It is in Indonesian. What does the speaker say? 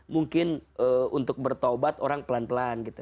mungkin untuk bertaubat orang pelan pelan gitu